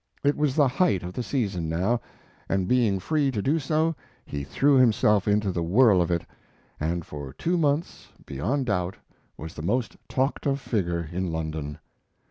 It was the height of the season now, and being free to do so, he threw himself into the whirl of it, and for two months, beyond doubt, was the most talked of figure in London.